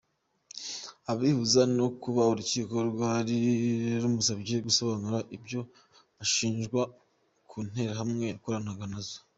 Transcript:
Abihuza no kuba urukiko rwari rumusabye gusobanura ibyo ashinjwa ku Nterahamwe yakoranaga na zo.